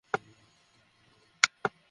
ওই লাল কোর্তা পরা লোকটা?